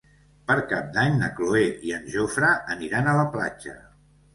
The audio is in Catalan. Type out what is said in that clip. Per Cap d'Any na Cloè i en Jofre aniran a la platja.